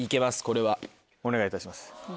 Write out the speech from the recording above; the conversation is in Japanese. お願いいたします。